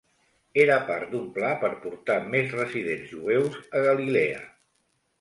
Era part d'un pla per portar més residents jueus a Galilea.